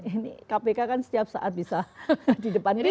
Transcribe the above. ini kpk kan setiap saat bisa di depan ini